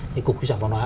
thì cục di trả văn hóa